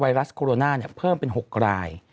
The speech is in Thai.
ไรัสโคโรนาเพิ่มเป็น๖ราย